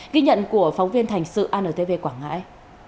ghi nhận của phóng viên thành sự antv quảng ngãi